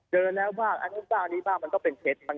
เดินแล้วบ้างมันก็เป็นเคส